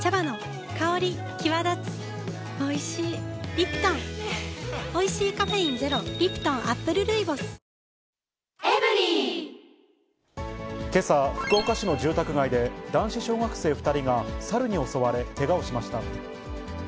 ニトリけさ、福岡市の住宅街で男子小学生２人が猿に襲われ、けがをしました。